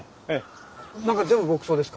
中全部牧草ですか？